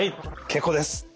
結構です。